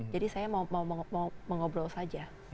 jadi saya mau mengobrol saja